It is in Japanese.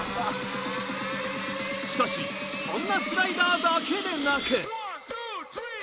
しかしそんなスライダーだけでなく。